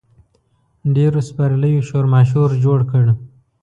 ډېرو سپرلیو شورماشور جوړ کړ.